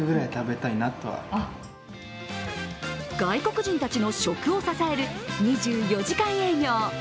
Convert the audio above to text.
外国人たちの食を支える２４時間営業。